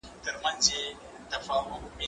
زه اوس مينه څرګندوم؟